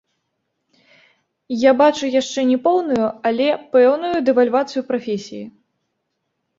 Я бачу яшчэ не поўную, але пэўную дэвальвацыю прафесіі.